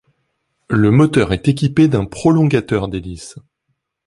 Le moteur est équipé d'un prolongateur d'hélice.